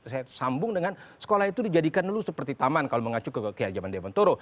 saya sambung dengan sekolah itu dijadikan dulu seperti taman kalau mengacu ke keajaiban devontoro